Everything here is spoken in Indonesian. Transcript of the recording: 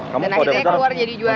dan akhirnya keluar jadi juara ya